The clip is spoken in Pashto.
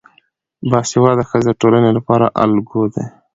باسواده ښځې د ټولنې لپاره الګو دي.